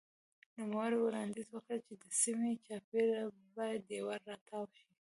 نوموړي وړاندیز وکړ چې د سیمې چاپېره باید دېوال راتاو شي.